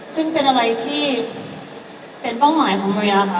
ซึ่งเป็นอะไรที่เป็นเป้าหมายของเรียค่ะ